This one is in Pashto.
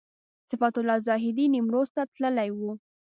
صفت الله زاهدي نیمروز ته تللی و.